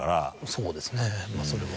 そうですねまぁそれは。